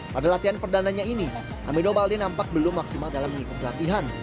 pada latihan perdanaannya ini amido balde nampak belum maksimal dalam mengikuti latihan